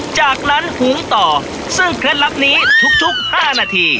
จากนั้นหุงต่อซึ่งเคล็ดลับนี้ทุก๕นาที